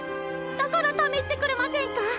だから試してくれませんか？